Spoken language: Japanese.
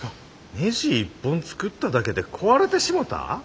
ねじ１本作っただけで壊れてしもた？